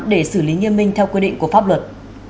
để xử lý nghiêm minh theo quy định của pháp luật